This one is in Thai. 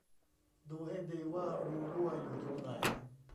ดูให้ดีว่ารูรั่วอยู่ตรงไหน